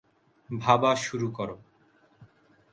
ভাবা শুরু করো।